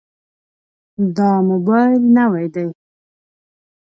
دا موبایل نوی دی.